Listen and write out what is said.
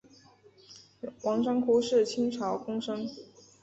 王章枯是清朝贡生。